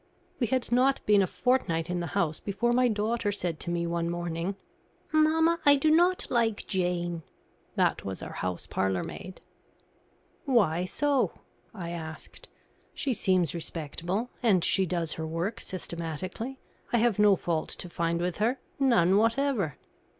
We had not been a fortnight in the house before my daughter said to me one morning: "Mamma, I do not like Jane" that was our house parlourmaid. "Why so?" I asked. "She seems respectable, and she does her work systematically. I have no fault to find with her, none whatever."